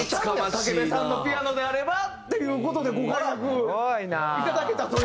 武部さんのピアノであればっていう事でご快諾いただけたという。